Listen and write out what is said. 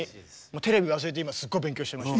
テレビ忘れて今すごい勉強してました。